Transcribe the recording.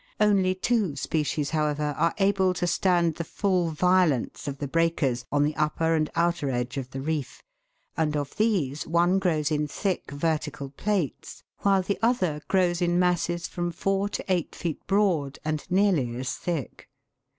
Only two species, however, are able to stand the full violence of the breakers on the upper and outer edge of the reef, and of these one grows in thick vertical plates, while the other grows in masses from four to eight feet broad and nearly as thick.